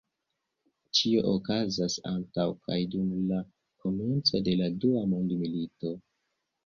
Ĉio okazas antaŭ kaj dum la komenco de la Dua Mondmilito.